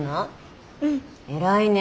偉いね。